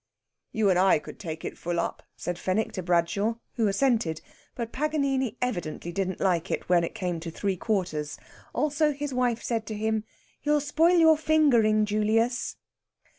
"You and I could take it full up," said Fenwick to Bradshaw, who assented. But Paganini evidently didn't like it when it came to three quarters. Also, his wife said to him, "You'll spoil your fingering, Julius."